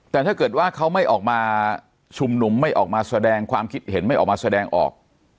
แต่ถ้าเกิดว่าเขาไม่ออกมาชุมนุมไม่ออกมาแสดงความคิดเห็นไม่ออกมาแสดงออก